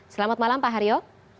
selamat malam pak harjo